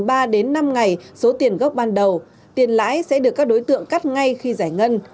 trong vòng thứ ba đến năm ngày số tiền gốc ban đầu tiền lãi sẽ được các đối tượng cắt ngay khi giải ngân